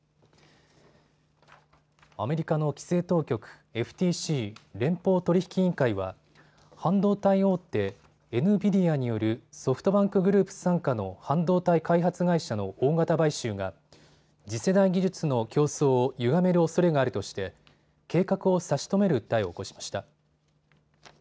アメリカの規制当局ＦＴＣ・連邦取引委員会は半導体大手、エヌビディアによるソフトバンクグループ傘下の半導体開発会社の大型買収が次世代技術の競争をゆがめるおそれがあるとして計画を差し止める訴えを起こしました。